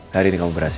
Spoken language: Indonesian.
hari ini kamu berhasil